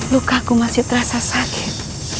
lukaku masih terasa sakit